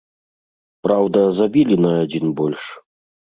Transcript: Праўда, забілі на адзін больш.